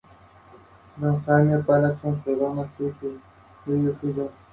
Nunca ha ganado el torneo de copa.